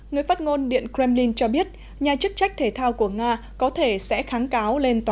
người phát ngôn điện kremlin cho biết nhà chức trách thể thao của nga có thể sẽ kháng cáo lên tòa